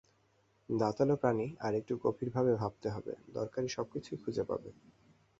দাঁতালো প্রাণী, আর একটু গভীরভাবে ভাবতে হবে, দরকারী সবকিছুই খুঁজে পাবে।